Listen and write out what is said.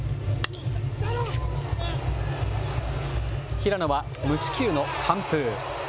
平野は無四球の完封。